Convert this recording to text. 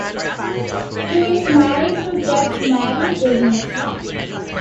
He is married to Judge Mary Devins.